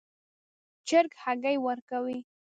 چرګ هګۍ ورکوي